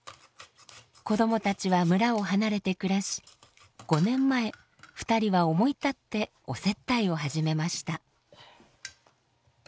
子どもたちは村を離れて暮らし５年前二人は思い立ってお接待を始めました。